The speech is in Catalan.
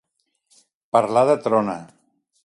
Parlar de trona.